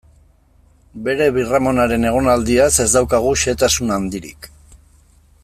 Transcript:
Bere birramonaren egonaldiaz ez daukagu xehetasun handirik.